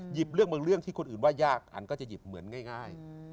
เรื่องบางเรื่องที่คนอื่นว่ายากอันก็จะหยิบเหมือนง่าย